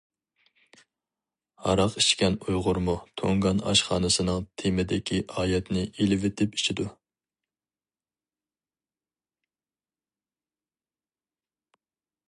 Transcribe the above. ھاراق ئىچكەن ئۇيغۇرمۇ تۇڭگان ئاشخانىسىنىڭ تېمىدىكى ئايەتنى ئېلىۋېتىپ ئىچىدۇ.